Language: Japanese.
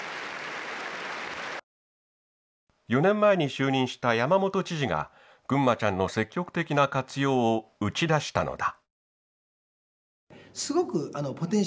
４年前に就任した山本知事がぐんまちゃんの積極的な活用を打ち出したのだ。